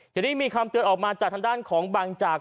ทีนี้มีคำเตือนออกมาจากทางด้านของบางจาก